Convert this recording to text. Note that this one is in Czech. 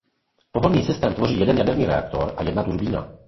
Pohonný systém tvoří jeden jaderný reaktor a jedna turbína.